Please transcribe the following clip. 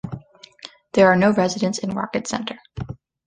There are no residents in Rocket Center.